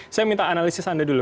saya minta analisis anda dulu